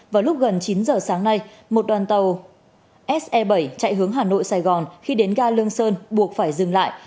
vào lúc gần chín giờ sáng nay một đoàn tàu se bảy chạy hướng hà nội sài gòn khi đến ga lương sơn buộc phải dừng lại